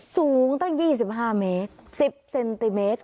สูงตั้ง๒๕เมตร๑๐เซนติเมตร